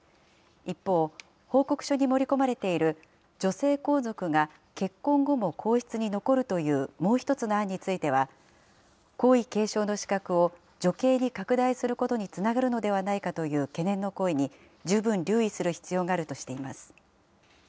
一方、報告書に盛り込まれている、女性皇族が結婚後も皇室に残るというもう一つの案については、皇位継承の資格を女系に拡大することにつながるのではないかという懸念の声に十分留意する必要があるとしています。